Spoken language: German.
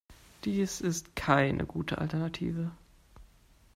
Dies ist keine gute Alternative.